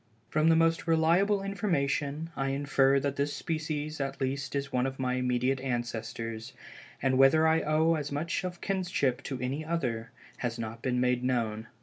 From the most reliable information, I infer that this species at least is one of my immediate ancestors, and whether I owe as much of kinship to any other, has not been made known.